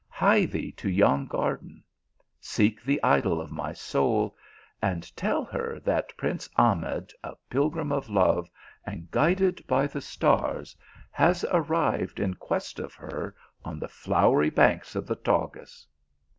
Hie thee to yon garden ; seek the idol of my soul, and tell her that prince Ahmed, a pilgrim of love, and guided by the stars, has arrived in quest of her on the flowery banks of the Tagus."